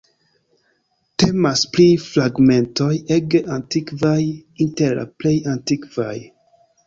Temas pri fragmentoj ege antikvaj, inter la plej antikvaj.